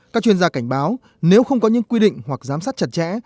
các chuyên gia cảnh báo nếu không có những quy định hoặc giám sát chặt chẽ